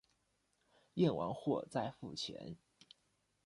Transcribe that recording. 验货完再付钱